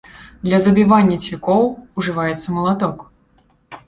Для забівання цвікоў ужываецца малаток.